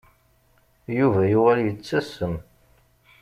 Yuba yuɣal yettasem.